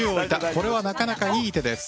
これはなかなかいい手です。